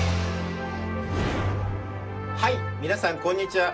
はい皆さんこんにちは！